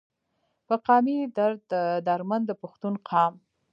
پۀ قامي درد دردمند د پښتون قام